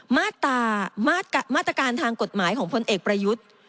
มาตรการทางกฎหมายของพลเอกประยุทธ์